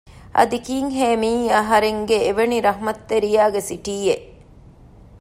އަދި ކީއްހޭ މިއީ އަހަރެންގެ އެވެނި ރަޙްމަތްރެތިޔާގެ ސިޓީއެއް